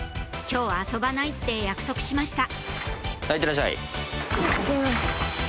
今日は遊ばないって約束しました